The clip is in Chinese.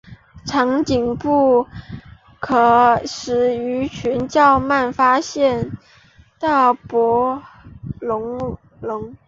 长颈部可使鱼群较慢发现到薄板龙。